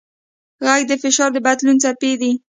غږ د فشار د بدلون څپې دي.